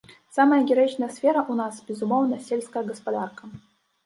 Самая гераічная сфера ў нас, безумоўна, сельская гаспадарка.